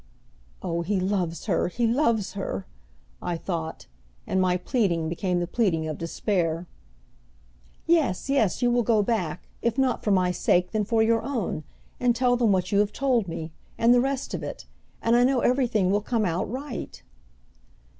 "Oh, he loves her, he loves her!" I thought and my pleading became the pleading of despair. "Yes, yes, you will go back, if not for my sake then for your own, and tell them what you have told me, and the rest of it; and I know everything will come out right."